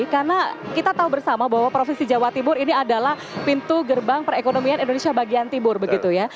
karena kita tahu bersama bahwa profesi jawa timur ini adalah pintu gerbang perekonomian indonesia bagian timur begitu ya